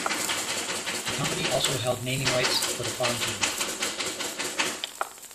The company also held naming rights for the farm team.